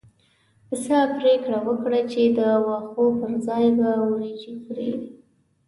پسه پرېکړه وکړه چې د واښو پر ځای به وريجې خوري.